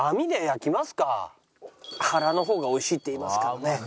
腹の方が美味しいっていいますからね。